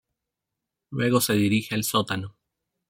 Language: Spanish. Luego se dirige al sótano.